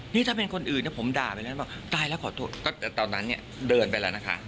นี่ถ้าเป็นคนอื่นน่ะผมด่าไปแล้วนะตอนนั้นเนี่ยเดินไปแล้วนะคะ